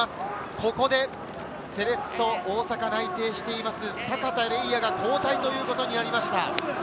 ここで、セレッソ大阪内定しています、阪田澪哉が交代ということになりました。